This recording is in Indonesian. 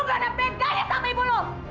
lu gak ada pegangnya sama ibu lu